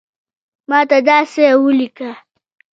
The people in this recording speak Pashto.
ماته داسی اولیکه